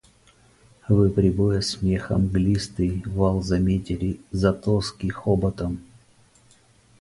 Вы прибоя смеха мглистый вал заметили за тоски хоботом?